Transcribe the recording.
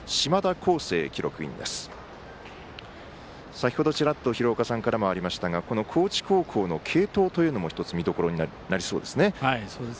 先ほど、ちらっと廣岡さんからもありましたが高知高校の継投というのも見どころになりそうですね。